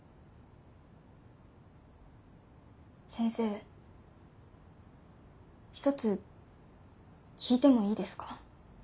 先生一つ聞いてもいいですか？